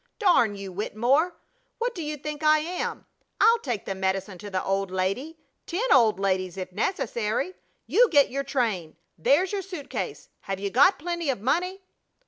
"Darn you, Wittemore! What do you think I am? I'll take the medicine to the old lady ten old ladies if necessary! You get your train! There's your suit case. Have you got plenty of money?"